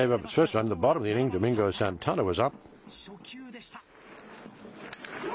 初球でした。